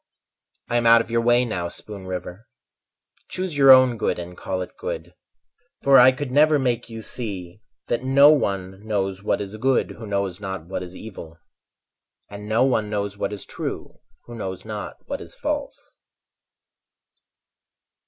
I am out of your way now, Spoon River, Choose your own good and call it good. For I could never make you see That no one knows what is good Who knows not what is evil; And no one knows what is true Who knows not what is false.